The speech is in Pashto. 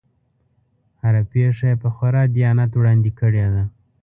هره پېښه یې په خورا دیانت وړاندې کړې ده.